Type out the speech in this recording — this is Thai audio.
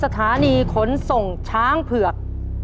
สถานีขนส่งช้างเผือก